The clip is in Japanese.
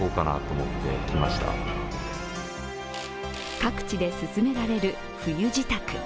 各地で進められる冬支度。